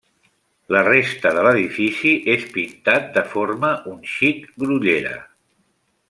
La resta de l'edifici és pintat de forma un xic grollera.